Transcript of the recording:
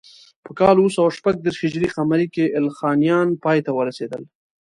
په کال اوه سوه شپږ دېرش هجري قمري کې ایلخانیان پای ته ورسېدل.